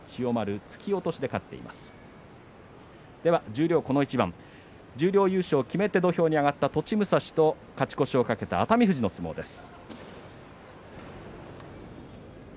十両この一番十両優勝を決めて土俵に上がった栃武蔵と勝ち越しを懸けた熱海富士との相撲です。。